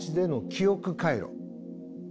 記憶回路